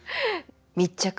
「密着！